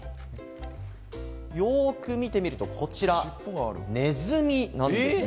よく見てみると、こちら、ネズミなんですね。